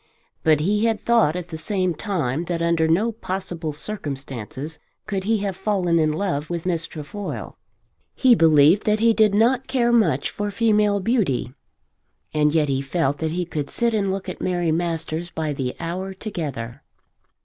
But he had thought at the same time that under no possible circumstances could he have fallen in love with Miss Trefoil. He believed that he did not care much for female beauty, and yet he felt that he could sit and look at Mary Masters by the hour together.